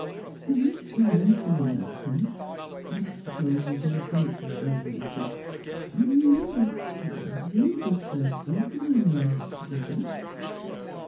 " You might as well answer me, Malcolm. But I suppose you do think me very wicked ; only remember it was you who first spoke of our new life together."